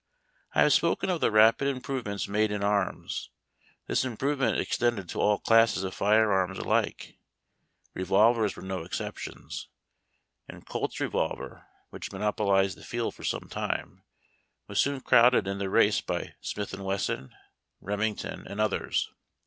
I have spoken of the rapid improvements made in arms. This improvement extended to all classes of fire arms alike. Revolvers were no exception, and Coifs revolver, which monopolize<l the field for some time, was soon crowded in the race by Smitlt and TFtJS.s ow, Remington, and others.